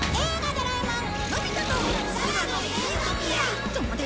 『ドラえもん』！